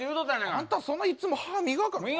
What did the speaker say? あんたそんないっつも歯磨かん。